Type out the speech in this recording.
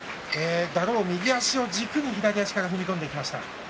痛めているだろう右足を軸に左足から踏み込んでいきました。